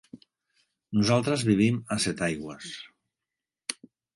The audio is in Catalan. Nosaltres vivim a Setaigües.